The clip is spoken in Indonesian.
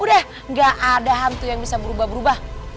udah gak ada hantu yang bisa berubah berubah